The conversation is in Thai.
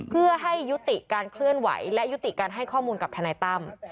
เพื่อให้ยุติการเคลื่อนไหวและยุติการให้ข้อมูลกับทนายตั้ม